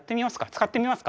使ってみますか。